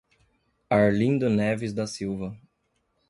Arlindo Neves da Silva